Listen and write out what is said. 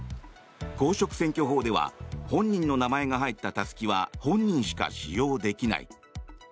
公職選挙法では本人の名前が入ったたすきは本人しか使用できない。